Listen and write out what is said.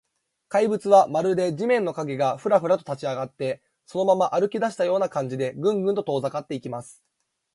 怪物は、まるで地面の影が、フラフラと立ちあがって、そのまま歩きだしたような感じで、グングンと遠ざかっていきます。